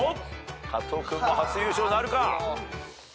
加藤君も初優勝なるか？